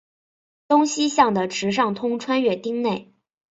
东西向的池上通穿越町内。